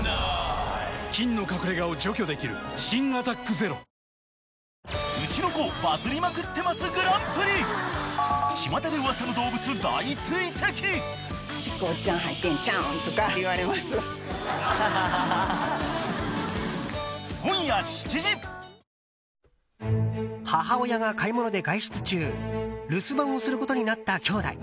菌の隠れ家を除去できる新「アタックＺＥＲＯ」母親が買い物で外出中留守番をすることになった兄妹。